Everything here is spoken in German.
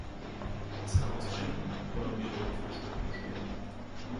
Es kann aus einem oder mehreren Flurstücken bestehen.